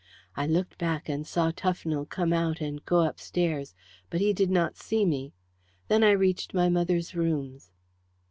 I looked back and saw Tufnell come out and go upstairs, but he did not see me. Then I reached my mother's rooms."